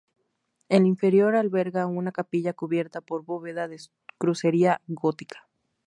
El inferior alberga una capilla cubierta por bóveda de crucería gótica.